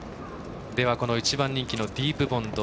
１番人気のディープボンド